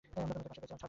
আমরা তোমার পাশে আছি।